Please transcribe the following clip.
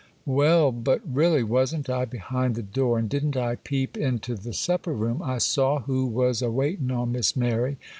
'Well, but really; wasn't I behind the door, and didn't I peep into the supper room! I saw who was a waitin' on Miss Mary.